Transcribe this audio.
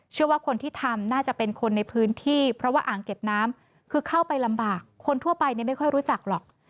เชื่อว่าคนที่ทำน่าจะเป็นคนในพื้นที่เพราะว่าอ่างเก็บน้ำคือเข้าไปลำบากคนทั่วไปไม่ค่อยรู้จักหรอก